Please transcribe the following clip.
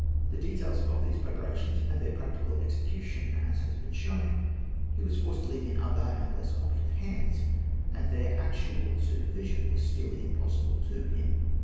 The details of these preparations and their practical execution, as has been shown, he was forced to leave in other and less competent hands, and their actual supervision was still impossible to him.